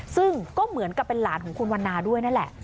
ซึ่งก็เหมือนกับเป็นหลานของคุณวันนาด้วยนั่นแหละ